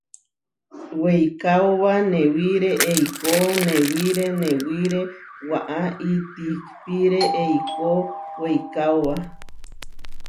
Weikaóba newiré eikó newiré newiré, waʼá itihpíre eikó weikaóba.